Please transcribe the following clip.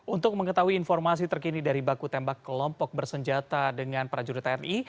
untuk mengetahui informasi terkini dari baku tembak kelompok bersenjata dengan prajurit tni